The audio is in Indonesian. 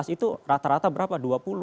itu rata rata berapa dua puluh